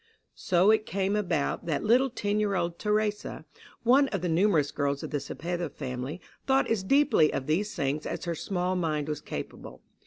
So it came about that little ten year old Theresa, one of the numerous girls of the Cepeda family, thought as deeply of these things as her small mind was capable.